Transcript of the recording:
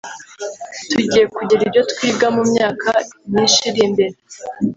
Tugiye kugira ibyo twiga mu myaka myinshi iri imbere